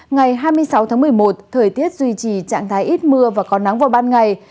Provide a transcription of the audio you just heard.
ngày hai mươi sáu tháng một mươi một thời tiết duy trì trạng thái ít mưa và có nắng vào ban ngày